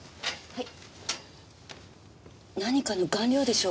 はい。